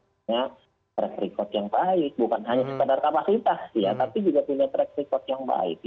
punya track record yang baik bukan hanya sekadar kapasitas ya tapi juga punya track record yang baik